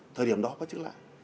thời điểm đó có chứng lại